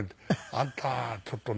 「あんたはちょっとね」